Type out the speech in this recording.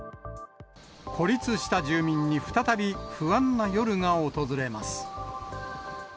孤立した住民に再び不安な夜が訪れます。